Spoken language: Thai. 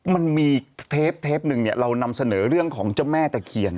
มันมีเทปหนึ่งเรานำเสนอเรื่องของเจ้าแม่ตะเคียน